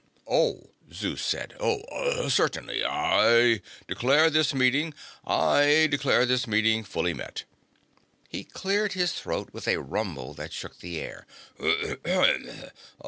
"Oh," Zeus said. "Oh. Certainly. I declare this meeting I declare this meeting fully met." He cleared his throat with a rumble that shook the air.